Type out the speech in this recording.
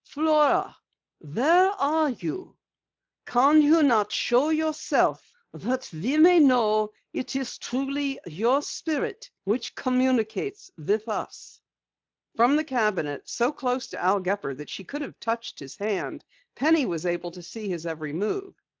"Flora, where are you? Can you not show yourself that we may know it is truly your spirit which communicates with us?" From the cabinet, so close to Al Gepper that she could have touched his hand, Penny was able to see his every move.